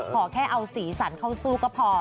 ขอแค่เอาสีสันเข้าสู้ก็พอ